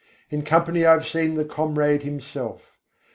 In company I have seen the Comrade Himself.